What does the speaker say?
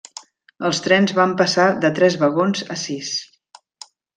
Els trens van passar de tres vagons a sis.